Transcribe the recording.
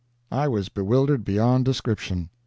I was bewildered beyond description.